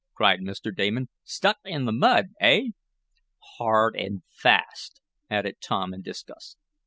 cried Mr. Damon. "Stuck in the mud, eh?" "Hard and fast," added Tom, in disgust.